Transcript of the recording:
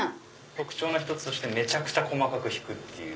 特徴の１つとしてめちゃくちゃ細かくひく。